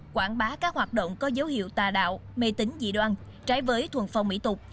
quảng bá các hoạt động có dấu hiệu tà đạo mê tính dị đoan trái với thuần phong mỹ tục